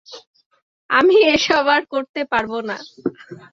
আমি এসব আর করতে পারবো না!